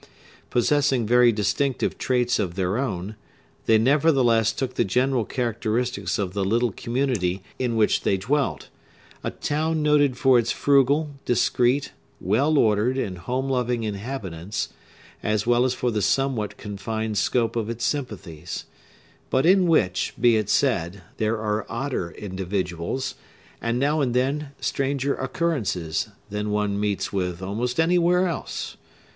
Possessing very distinctive traits of their own, they nevertheless took the general characteristics of the little community in which they dwelt; a town noted for its frugal, discreet, well ordered, and home loving inhabitants, as well as for the somewhat confined scope of its sympathies; but in which, be it said, there are odder individuals, and, now and then, stranger occurrences, than one meets with almost anywhere else.